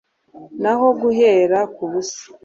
Naho guhera ku busa